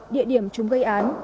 địa điểm chúng gây án